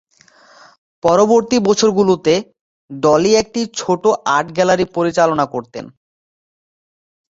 পরবর্তী বছরগুলোতে ডলি একটি ছোট আর্ট গ্যালারি পরিচালনা করতেন।